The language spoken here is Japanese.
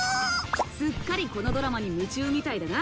すっかりこのドラマに夢中みたいだな。